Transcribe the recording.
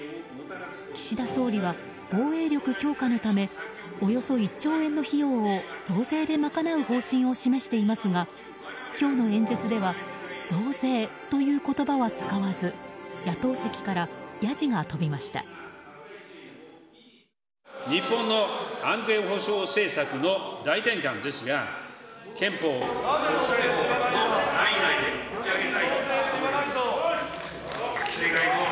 岸田総理は防衛力強化のためおよそ１兆円の費用を増税で賄う方針を示していますが今日の演説では増税という言葉は使わず野党席からはヤジが飛びました。